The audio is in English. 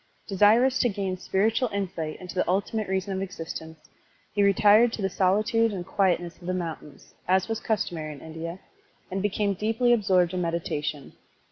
Desirous to gain spiritual insight into the ultimate reason of existence, he retired to the solitude and quietness of the mountains, as was customary in India, and became deeply absorbed in meditation.